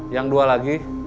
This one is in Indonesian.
yang dua lagi